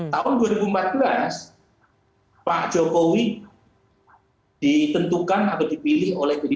tahun dua ribu empat belas pak jokowi ditentukan atau dipilih oleh pdip